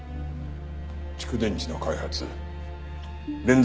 蓄電池の開発連続